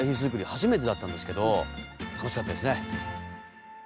初めてだったんですけど楽しかったですね。